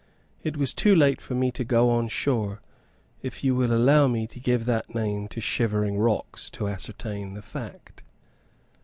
It was too late for me to go on shore, if you will allow me to give that name to shivering rocks, to ascertain the fact.